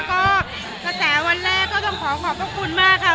ก็กระแสวันแรกก็ต้องขอขอบพระคุณมากค่ะ